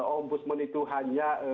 ombudsman itu hanya